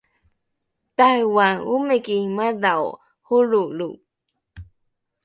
taiwan omiki madhao holrolo